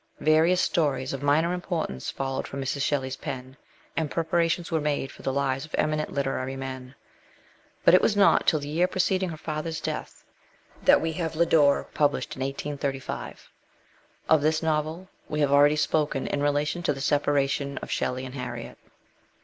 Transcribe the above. Various stories of minor importance followed from Mrs. Shelley's pen,' and preparations were made for the lives of eminent literary men. But it was not till the year preceding her father's death that we have Lodore, published in 1835. Of this novel we have already spoken in relation to the separation of Shelley and Harriet.